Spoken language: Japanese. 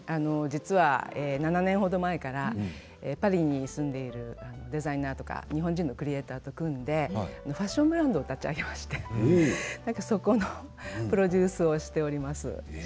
実は７年ほど前からパリに住んでいるデザイナーとか日本人のクリエーターと組んでファッションブランドを立ち上げましてそこのプロデュースをしております。